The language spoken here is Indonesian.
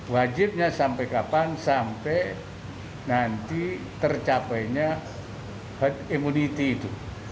wajibnya sampai kapan sampai nanti tercapainya herd immunity itu